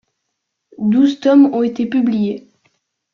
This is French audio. Douze tomes ont été publiés.